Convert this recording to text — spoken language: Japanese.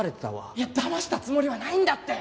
いやだましたつもりはないんだって。